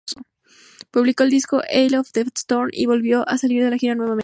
Publicó el disco "Eye of the Storm" y volvió a salir de gira nuevamente.